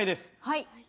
はい。